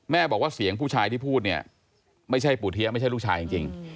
บอกว่าเสียงผู้ชายที่พูดเนี่ยไม่ใช่ปู่เทียไม่ใช่ลูกชายจริง